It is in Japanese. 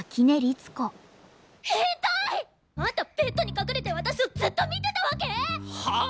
ヘンタイ！あんたベッドに隠れて私をずっと見てたわけ⁉はあ